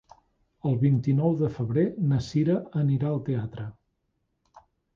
El vint-i-nou de febrer na Cira anirà al teatre.